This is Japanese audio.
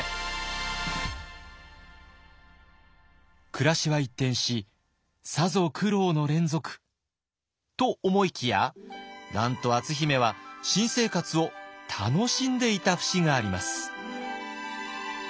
暮らしは一転しさぞ苦労の連続と思いきやなんと篤姫は新生活を楽しんでいた節があります。